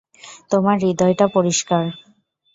তোমার হৃদয়টা পরিষ্কার।